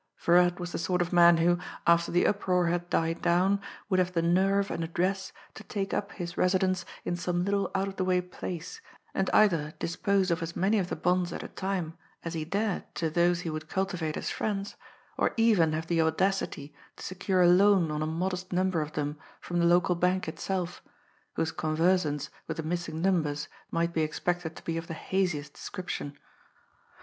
Viral was the sort of man who, after the uproar had died down, would have the nerve and address to take up his residence in some little out of the way place, and either dispose of as many of the bonds at a time as he dared to those he would cultivate as friends, or even have the audacity to secure a loan on a modest number of them from the local bank itself, whose conversance with the missing numbers might be expected to be of the haziest description.